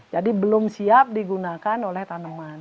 jadi belum siap digunakan oleh tanaman